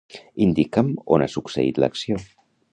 Indica'm on ha succeït l'acció.